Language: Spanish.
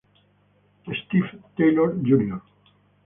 Steve Taylor Jr.